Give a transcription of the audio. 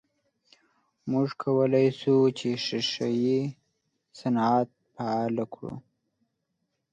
موږ کولای سو چې ښیښه یي صنعت فعال کړو.